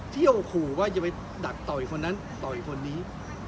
เที่ยวขู่ว่าจะไปดักต่อยคนนั้นต่อยคนนี้